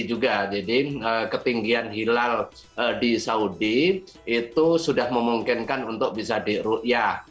jadi ketinggian hilal di saudi itu sudah memungkinkan untuk bisa di ru'yah